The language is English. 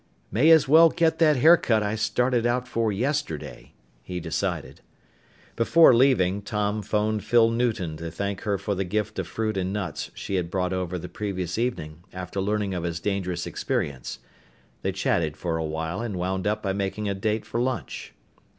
"May as well get that haircut I started out for yesterday," he decided. Before leaving, Tom phoned Phyl Newton to thank her for the gift of fruit and nuts she had brought over the previous evening after learning of his dangerous experience. They chatted for a while and wound up by making a date for lunch.